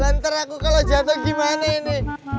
lantar aku klo jatoh gimana ini